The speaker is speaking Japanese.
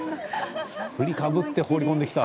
振りかぶって折り込んできた。